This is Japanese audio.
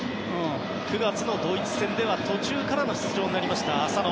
９月のドイツ戦では途中からの出場でした、浅野。